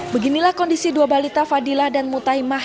beginilah kondisi dua balita fadila dan mutai mah